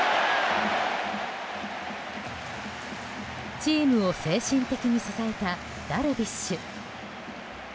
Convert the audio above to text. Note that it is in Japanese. チームを精神的に支えたダルビッシュ。